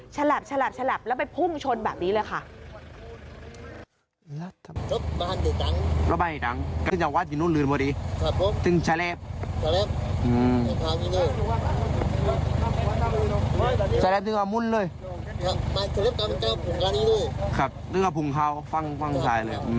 ฉลับแล้วไปพุ่งชนแบบนี้เลยค่ะ